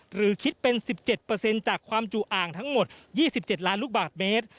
หรือคิดเป็น๑๗จากความจุอ่างทั้งหมด๒๗ล้านลูกบาทเมตร